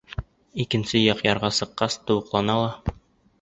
Икенсе яҡ ярға сыҡҡас, тубыҡлана ла: